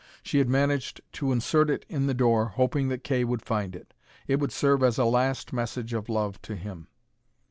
She had managed to insert it in the door, hoping that Kay would find it. It would serve as a last message of love to him.